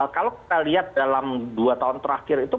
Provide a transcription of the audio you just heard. kalau kita lihat dalam dua tahun terakhir itu